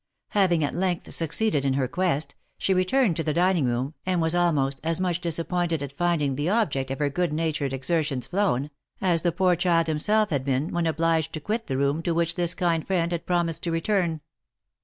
Having at length succeeded in her quest, she re turned to the dining room, and was almost as much disappointed at finding the object of her good natured exertions flown, as the poor child himself had been, when obliged to quit the room to which this kind friend had promised to return.